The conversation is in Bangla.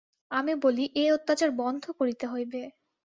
আমি বলি, এ অত্যাচার বন্ধ করিতে হইবে।